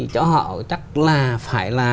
cho họ chắc là phải là